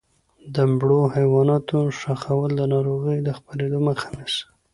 د مړو حیواناتو ښخول د ناروغیو د خپرېدو مخه نیسي.